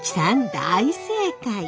大正解！